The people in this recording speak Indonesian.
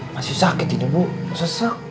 masih sakit itu bu sesek